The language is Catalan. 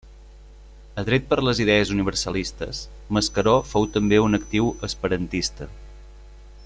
Atret per les idees universalistes, Mascaró fou també un actiu esperantista.